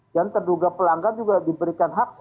dan terduga pelanggar juga diberikan hak yang sama